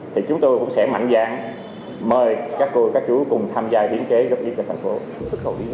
thì chúng tôi cũng sẽ mạnh dạng mời các cô các chú cùng tham gia biến chế góp ý cho thành phố